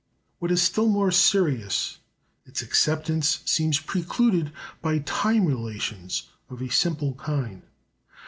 What is still more serious, its acceptance seems precluded by time relations of a simple kind.